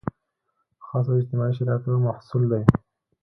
خاصو اجتماعي شرایطو محصول دی.